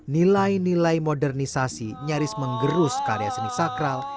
nilai nilai modernisasi nyaris menggerus karya seni sakral